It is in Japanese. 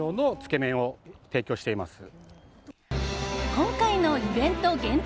今回のイベント限定